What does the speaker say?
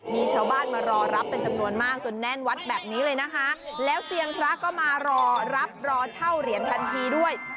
มีชาวบ้านมารอรับเป็นจำนวนมากจนแน่นวัดแบบนี้เลยนะคะแล้วเตียงพระก็มารอรับรอเช่าเหรียญทันทีด้วย